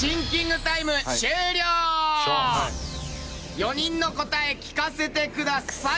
４人の答え聞かせてください。